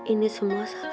ini semua salah